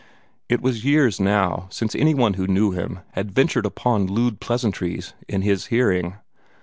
It was years now since any one who knew him had ventured upon lewd pleasantries in his hearing.